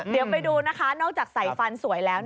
เดี๋ยวไปดูนะคะนอกจากใส่ฟันสวยแล้ว